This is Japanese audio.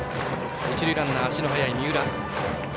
一塁ランナー、足の速い三浦。